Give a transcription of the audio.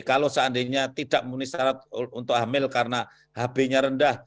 kalau seandainya tidak memenuhi syarat untuk hamil karena hb nya rendah